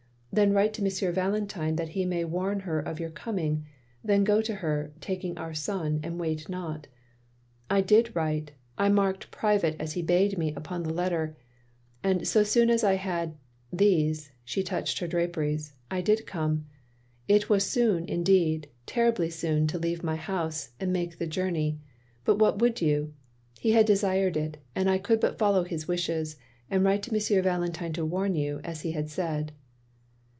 Then write to M. Valentine that he may warn her of your coming; then go to her, taking our son, and wait not. I did write; OP GROSVENOR SQUARE 335 I marked "private," as he bade me, upon the letter, and so soon as I had — ^these —" she touched her draperies, " I did come. It was soon; indeed terribly soon, to leave my house, and make the journey. But what would you? He had desired it, and I could but follow his wishes, and write to M. Valentine to warn you, as he had said.